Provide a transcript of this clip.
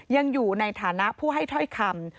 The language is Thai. ยังอยู่ในฐานะผู้ให้ถ้อยคำ